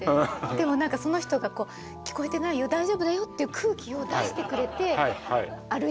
でも何かその人が聞こえてないよ大丈夫だよっていう空気を出してくれて歩いてくださるんですね。